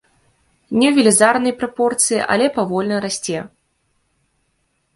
Не ў велізарнай прапорцыі, але павольна расце.